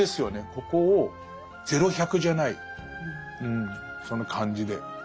ここを０１００じゃないその感じで分かりたい。